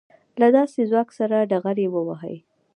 له داسې ځواک سره ډغرې ووهي.